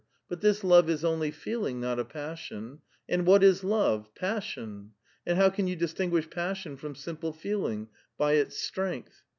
But this love is only feeling, not a passion. And what is love — passion! and how cau you distinguish passion from simple feeling? — by its strength.